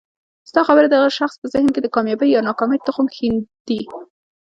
ستا خبري د هغه شخص په ذهن کي د کامیابۍ یا ناکامۍ تخم ښیندي